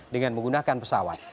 dengan menggunakan pesawat